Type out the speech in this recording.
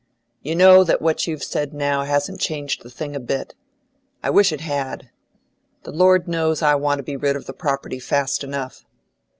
You know that what you've said now hasn't changed the thing a bit. I wish it had. The Lord knows, I want to be rid of the property fast enough."